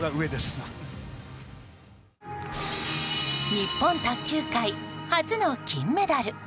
日本卓球界初の金メダル。